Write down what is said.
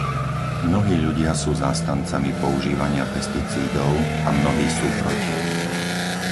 Mnohí ľudia sú zástancami používania pesticídov a mnohí sú proti.